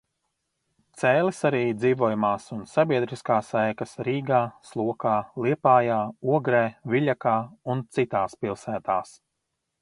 Cēlis arī dzīvojamās un sabiedriskās ēkas Rīgā, Slokā, Liepājā, Ogrē, Viļakā un citās pilsētās.